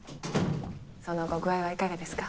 その後具合はいかがですか？